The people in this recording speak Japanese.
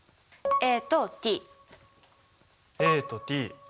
ＡとＴ。